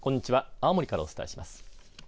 青森からお伝えします。